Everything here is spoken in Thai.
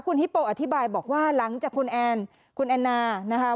คุณฮิปโปอธิบายบอกว่าหลังจากคุณแอนนา